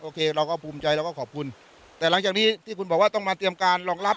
โคเราก็ภูมิใจเราก็ขอบคุณแต่หลังจากนี้ที่คุณบอกว่าต้องมาเตรียมการรองรับ